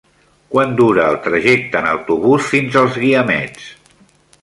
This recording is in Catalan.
Quant dura el trajecte en autobús fins als Guiamets?